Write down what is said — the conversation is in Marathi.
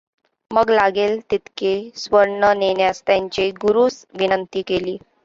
मग लागेल तितके सुवर्ण नेण्यास त्याने गुरूस विनंति केली.